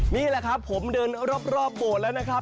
นี่แหละครับผมเดินรอบโบสถ์แล้วนะครับ